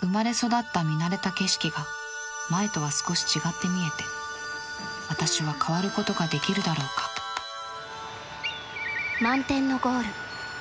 生まれ育った見慣れた景色が前とは少し違って見えて私は変わることができるだろうか「満天のゴール」。